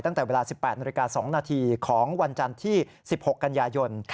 ตั้งแต่เวลา๑๘๐๒นของวันจันทร์ที่๑๖กันยายน